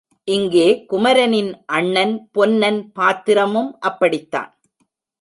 இங்கே குமரனின் அண்ணன் பொன்னன் பாத்திரமும் அப்படித்தான்.